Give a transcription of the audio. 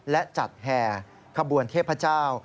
และจัดแห่ขบวนเทพเจ้า